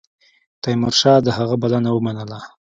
تیمورشاه د هغه بلنه ومنله.